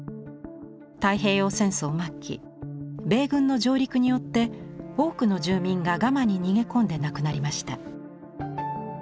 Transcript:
太平洋戦争末期米軍の上陸によって多くの住民がガマに逃げ込んで亡くなりました。